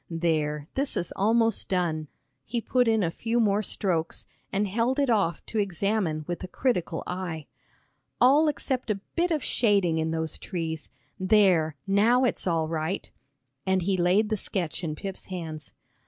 There, this is almost done." He put in a few more strokes, and held it off to examine with a critical eye, "All except a bit of shading in those trees, there, now it's all right," and he laid the sketch in Pip's hands.